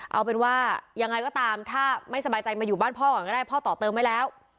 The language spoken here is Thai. เอาเป็นว่ายังไงก็ตามถ้าไม่สบายใจมาอยู่บ้านพ่อก่อนก็ได้พ่อต่อเติมไว้แล้ว